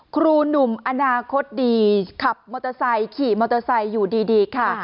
ครูหนุ่มอนาคตดีขับมอเตอร์ไซค์ขี่มอเตอร์ไซค์อยู่ดีค่ะ